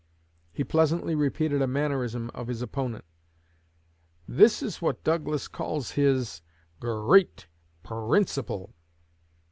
He pleasantly repeated a mannerism of his opponent, 'This is what Douglas calls his '_gur reat per rinciple.'